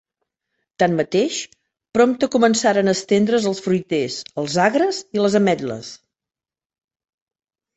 Tanmateix, prompte començaren a estendre's els fruiters, els agres i les ametles.